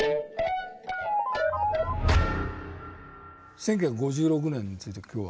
１９５６年について今日は。